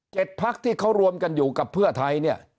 พักที่เขารวมกันอยู่กับเพื่อไทยเนี่ย